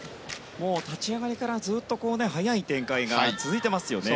立ち上がりからずっと速い展開が続いていますよね。